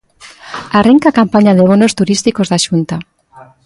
Arrinca a campaña da bonos turísticos da Xunta.